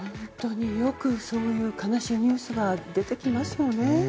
よく、そういう悲しいニュース出てきますよね。